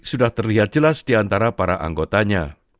sudah terlihat jelas diantara para anggotanya